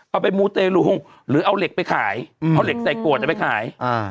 เอาไปหรือเอาเหล็กไปขายเอาเหล็กใส่กั่วใส่ไปขาย